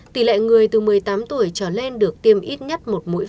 tỷ lệ người từ một mươi tám tuổi trở lên được tiêm ít nhất